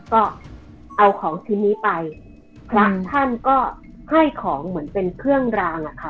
ก็เอาของชิ้นนี้ไปพระท่านก็ให้ของเหมือนเป็นเครื่องรางอะค่ะ